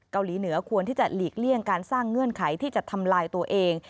เกาหลีเหนือควรที่จะหลีกเลี่ยงการสร้างเงื่อนไขที่จะทำลายตัวเอง